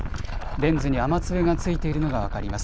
レンズに雨粒がついているのが分かります。